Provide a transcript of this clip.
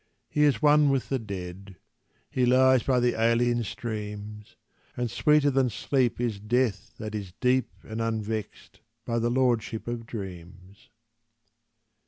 He is one with the dead; He lies by the alien streams; And sweeter than sleep is death that is deep And unvexed by the lordship of dreams.